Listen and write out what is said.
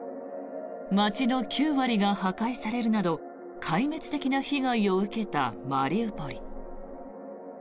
街の９割が破壊されるなど壊滅的な被害を受けたマリウポリ。